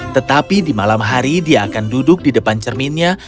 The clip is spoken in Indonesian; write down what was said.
tetapi di malam hari dia akan duduk di depan cerminnya